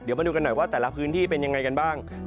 เดี๋ยวมาดูกันหน่อยว่าแต่ละพื้นที่เป็นยังไงกันบ้าง